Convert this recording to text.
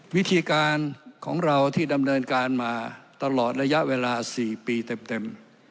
วิธีการของเราที่ดำเนินการมาตลอดระยะเวลา๔ปีเต็ม